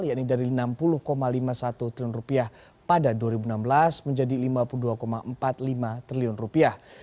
yaitu dari enam puluh lima puluh satu triliun rupiah pada dua ribu enam belas menjadi lima puluh dua empat puluh lima triliun rupiah